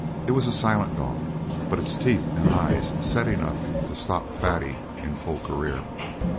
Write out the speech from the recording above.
It was a silent dog, but its teeth and eyes said enough to stop Fatty in full career.